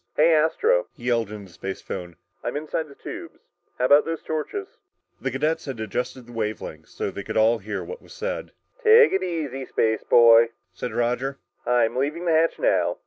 "Hey, Astro," he yelled into the spacephone, "I'm inside the tubes. How about those torches?" The cadets had adjusted the wave length so that all could hear what was said. "Take it easy, spaceboy," said Roger, "I'm leaving the hatch now.